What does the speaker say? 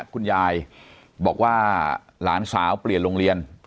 คุณยายบอกว่าหลานสาวเปลี่ยนโรงเรียน